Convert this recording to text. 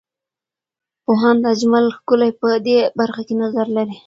پوهاند اجمل ښکلی په دې برخه کې نظر لري.